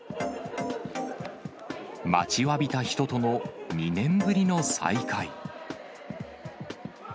待ちわびた人との２年ぶりの再会。